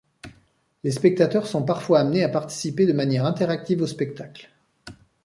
Les spectateurs sont parfois amenés à participer de manière interactive au spectacle.